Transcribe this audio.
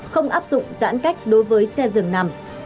không áp dụng giãn cách đối với xe dường nằm